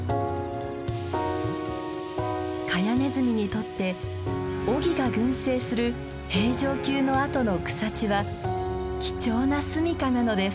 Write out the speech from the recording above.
カヤネズミにとってオギが群生する平城宮の跡の草地は貴重な住みかなのです。